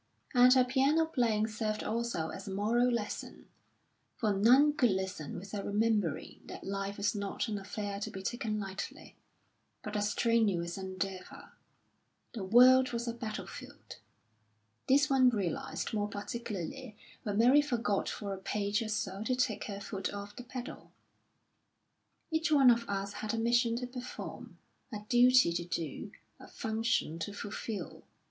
And her piano playing served also as a moral lesson, for none could listen without remembering that life was not an affair to be taken lightly, but a strenuous endeavour: the world was a battlefield (this one realised more particularly when Mary forgot for a page or so to take her foot off the pedal); each one of us had a mission to perform, a duty to do, a function to fulfil.